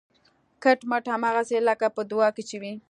کټ مټ هماغسې لکه په دعا کې چې وي